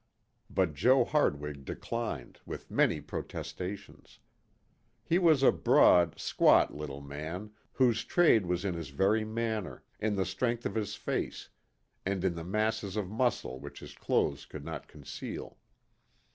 But Joe Hardwig declined, with many protestations. He was a broad, squat little man, whose trade was in his very manner, in the strength of his face, and in the masses of muscle which his clothes could not conceal.